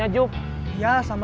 helikopter kayak gini saja